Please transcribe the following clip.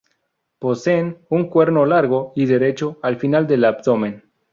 Poseen un cuerno largo y derecho al final del abdomen.